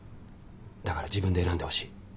だから自分で選んでほしい。